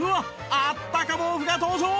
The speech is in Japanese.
あったか毛布が登場！